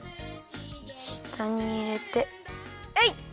したにいれてえい！